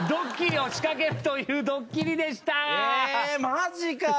マジかよ。